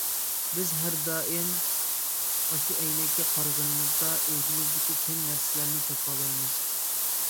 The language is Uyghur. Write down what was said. بىز ھەر دائىم ئاشۇ ئەينەككە قارىغىنىمىزدا ئۆزىمىزدىكى كەم نەرسىلەرنى تاپالايمىز.